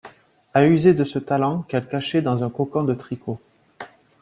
À user de ce talent qu'elle cachait dans un cocon de tricot.